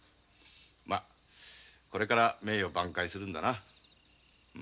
まあこれから名誉を挽回するんだな。